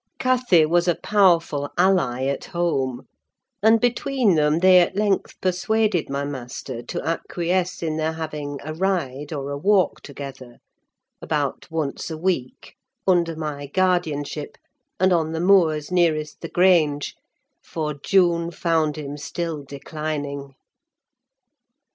Cathy was a powerful ally at home; and between them they at length persuaded my master to acquiesce in their having a ride or a walk together about once a week, under my guardianship, and on the moors nearest the Grange: for June found him still declining.